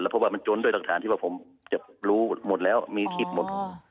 เพราะว่ามันจนด้วยหลักฐานที่ว่าผมจะรู้หมดแล้วมีผิดหมด